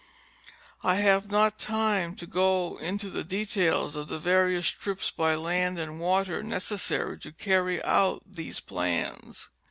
I have not time to go into the details of the various trips by land and water neces sary to carry out these plans.